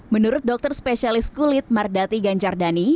menurut dokter spesialis kulit mardati ganjardani